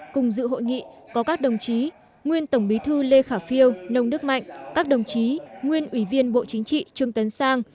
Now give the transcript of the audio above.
cùng dự hội nghị có các đồng chí nguyên tổng bí thư lê khả phiêu nông đức mạnh các đồng chí nguyên ủy viên bộ chính trị trương tấn sang